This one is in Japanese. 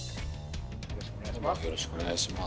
よろしくお願いします。